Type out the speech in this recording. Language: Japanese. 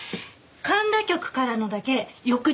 神田局からのだけ翌日ですね。